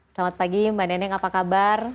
selamat pagi mbak neneng apa kabar